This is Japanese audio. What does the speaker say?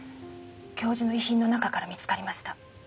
教授の遺品の中から見つかりました。